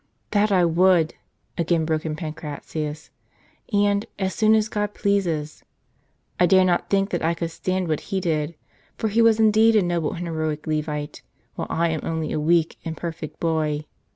"That I would," again broke in Pancratius, "and, as soon as God pleases ! 1 dare not think that I could stand what he did ; for he was indeed a noble and heroic Levite, while I am only a weak imperfect boy.